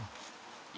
yang mana diketahui